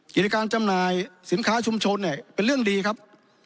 กิจการจำหน่ายสินค้าชุมชนเนี่ยเป็นเรื่องดีครับ